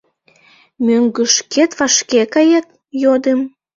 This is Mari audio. — Мӧҥгышкет вашке кает? — йодым.